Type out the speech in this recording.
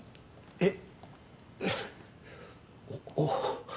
えっ。